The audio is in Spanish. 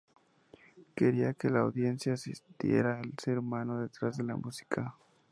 Quería que la audiencia sintiera al ser humano detrás de la música.